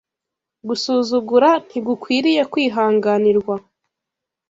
gusuzugura ntigukwiriye kwihanganirwa